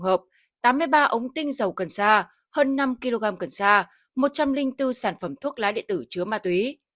trong vụ án gồm tám mươi ba ống tinh dầu cần xa hơn năm kg cần xa một trăm linh bốn sản phẩm thuốc lái địa tử chứa ma túy